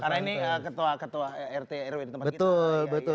karena ini ketua ketua rt rw di tempat kita